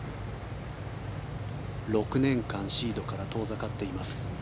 ６年間シードから遠ざかっています。